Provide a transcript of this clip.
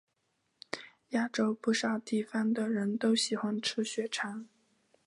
亚洲不少地方的人都喜欢吃血肠。